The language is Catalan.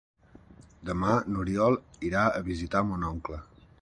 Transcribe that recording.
Demà n'Oriol irà a visitar mon oncle.